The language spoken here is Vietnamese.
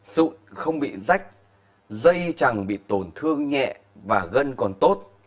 sụn không bị rách dây chẳng bị tổn thương nhẹ và gân còn tốt